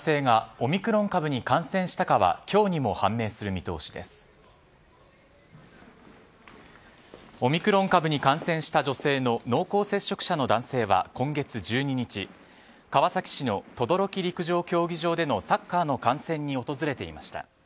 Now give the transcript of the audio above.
オミクロン株に感染した女性の濃厚接触者の男性は今月１２日川崎市の等々力陸上競技場でのサッカーの観戦に訪れていました。